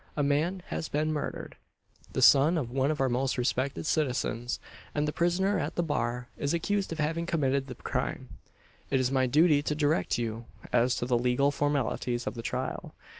A man has been murdered, the son of one of our most respected citizens; and the prisoner at the bar is accused of having committed the crime. It is my duty to direct you as to the legal formalities of the trial.